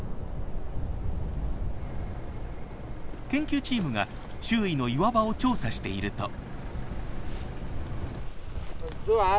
研究チームが周囲の岩場を調査していると。